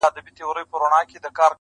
یاره کله به سیالان سو دجهانه،